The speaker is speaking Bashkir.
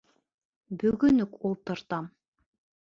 — Бөгөн үк ултыртам!